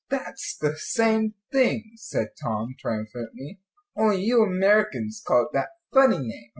"That's the same thing," said Tom, triumphantly, "only you Americans call it that funny name."